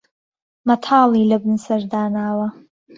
مهتاڵی له بن سهر داناوه